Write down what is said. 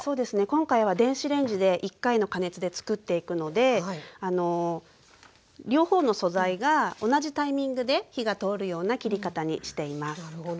今回は電子レンジで１回の加熱でつくっていくので両方の素材が同じタイミングで火が通るような切り方にしています。